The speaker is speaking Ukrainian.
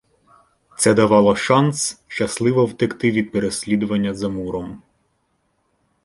Це давало шанс щасливо втекти від переслідування за муром.